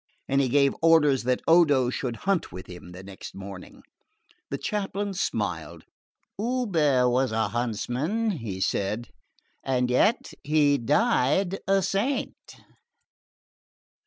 And he gave orders that Odo should hunt with him next morning. The chaplain smiled. "Hubert was a huntsman," said he, "and yet he died a saint."